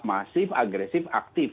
masif agresif aktif